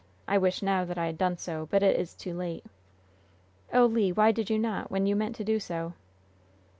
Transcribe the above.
I wish now that I had done so, but it is too late." "Oh, Le, why did you not, when you meant to do so?"